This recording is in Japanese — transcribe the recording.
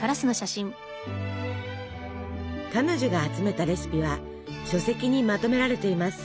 彼女が集めたレシピは書籍にまとめられています。